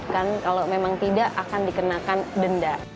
kan kalau memang tidak akan dikenakan denda